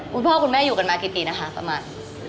คุณพ่อคุณแม่อยู่กันมากี่ปีนะคะประมาณ